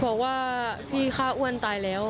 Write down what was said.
บอกว่าพี่ฆ่าอ้วนตายแล้ว